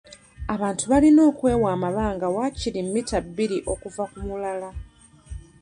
Abantu balina okwewa amabanga waakiri mmita bbiri okuva ku mulala.